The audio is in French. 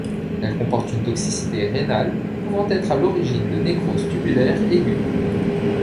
Elle comporte une toxicité rénale pouvant être à l'origine de nécrose tubulaire aiguë.